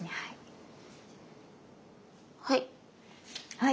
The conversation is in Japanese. はい。